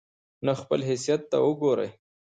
نه خپل حيثت ته وګوري